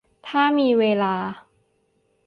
ถ้ามีเวลา